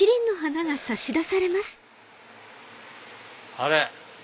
あれ？